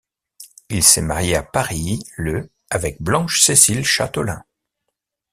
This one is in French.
Il s'est marié à Paris le avec Blanche Cécile Châtelain.